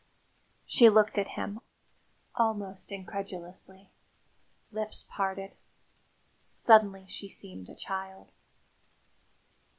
She looked at him almost incredulously, lips parted. Suddenly she seemed a child.